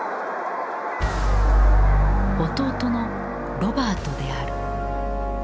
弟のロバートである。